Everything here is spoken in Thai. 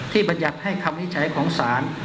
ที่บัญญัติให้คำนิจฉัยของสาร